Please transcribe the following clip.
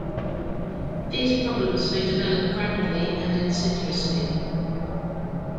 These problems may develop gradually and insidiously.